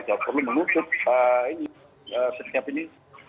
kalau perlu menutup setiap ini